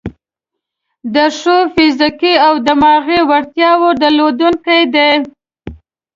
د ښو فزیکي او دماغي وړتیاوو درلودونکي دي.